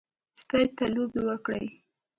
سپي ته لوبې ورکړئ.